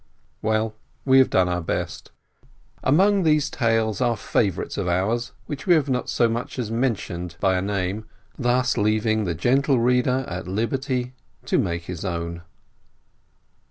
Well, we have done our best. Among these tales are favorites of ours which we have not so much as men tioned by name, thus leaving the gentle reader at liberty to make his own.